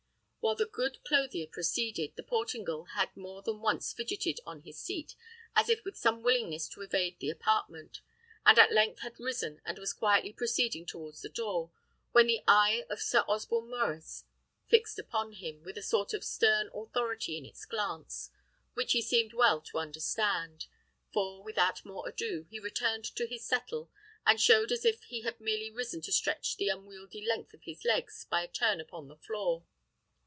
" While the good clothier proceeded, the Portingal had more than once fidgeted on his seat, as if with some willingness to evade the apartment; and at length had risen and was quietly proceeding towards the door, when the eye of Sir Osborne Maurice fixed upon him, with a sort of stern authority in its glance, which he seemed well to understand; for, without more ado, he returned to his settle, and showed as if he had merely risen to stretch the unwieldy length of his legs by a turn upon the floor.